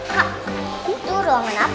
kak itu ruangan apa